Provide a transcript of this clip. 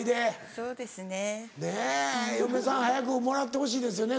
そうですね。ねぇ嫁さん早くもらってほしいですよね